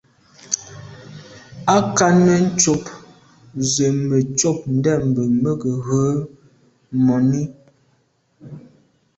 Â kɑ̂nə̄ ncóp zə mə̄ côb ndɛ̂mbə̄ mə̄ gə̀ rə̌ mùní.